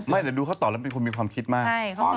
หรือดูเขาตอบแล้วเป็นคนมีความคิดมาก